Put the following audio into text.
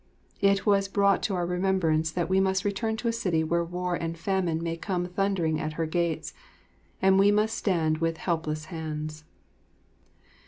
It was brought to our remembrance that we must return to a city where war and famine may come thundering at her gates, and we must stand with helpless hands.